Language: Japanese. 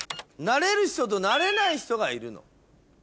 なれる人となれない人がいるの。